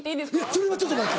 それはちょっと待って。